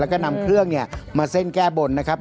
แล้วก็นำเครื่องเนี่ยมาเส้นแก้บนนะครับ